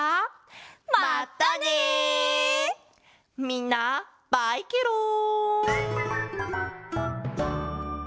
みんなバイケロん！